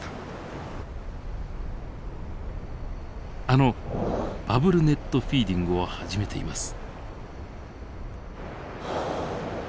あのバブルネットフィーディングを始めています。